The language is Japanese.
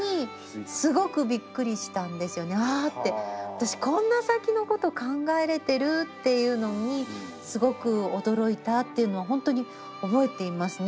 「私こんな先のことを考えれてる」っていうのにすごく驚いたっていうのはほんとに覚えていますね。